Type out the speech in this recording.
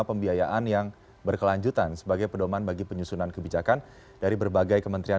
pembiayaan yang berkelanjutan sebagai pedoman bagi penyusunan kebijakan dari berbagai kementerian